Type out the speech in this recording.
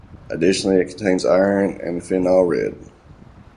Additionally, it contains iron and phenol red.